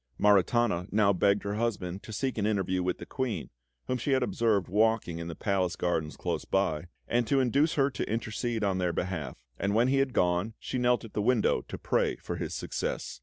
Maritana now begged her husband to seek an interview with the Queen, whom she had observed walking in the palace gardens close by, and to induce her to intercede on their behalf; and when he had gone, she knelt at the window to pray for his success.